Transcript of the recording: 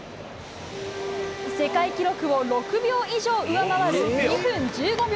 世界記録を６秒以上上回る２分１５秒。